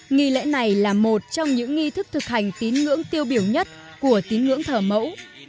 nghi lễ này là một trong những nghi thức thực hành tín ngưỡng tiêu biểu nhất của tín ngưỡng thờ mẫu